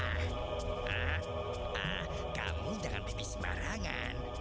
ah kamu jangan bibit sembarangan